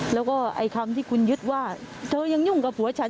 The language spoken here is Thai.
แล้วก็ไอ้คำที่คุณยึดว่าเธอยังยุ่งกับผัวฉัน